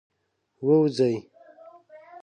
ووځی.